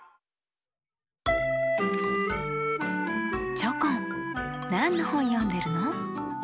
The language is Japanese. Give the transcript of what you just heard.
チョコンなんのほんよんでるの？